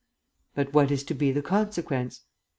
"But what is to be the consequence?